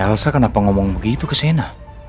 elsa kenapa ngomong begitu kesana